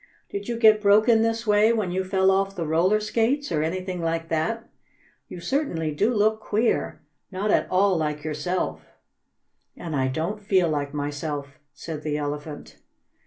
"Did you get broken this way when you fell off the roller skates, or anything like that? You certainly do look queer not at all like yourself!" "And I don't feel like myself," said the Elephant.